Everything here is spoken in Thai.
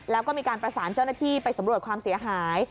แล้วก็มีการประสานเจ้าหน้าที่ไปสำรวจความเสียหาย